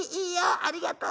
ありがとう。